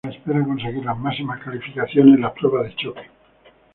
Tesla espera conseguir las máximas calificaciones en las pruebas de choque.